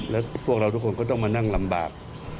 แล้วพวกเราทุกคนก็ต้องมานั่งลำบาก